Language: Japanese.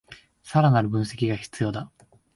さらなる分析が必要だ